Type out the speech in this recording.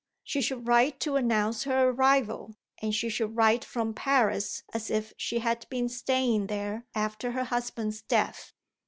She should write to announce her arrival, and she should write from Paris as if she had been staying there after her husband's death.